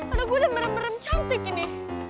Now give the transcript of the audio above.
aduh gue udah merem merem cantik ini